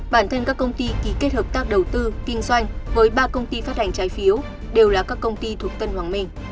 bản thân các công ty ký kết hợp tác đầu tư kinh doanh với ba công ty phát hành trái phiếu đều là các công ty thuộc tân hoàng minh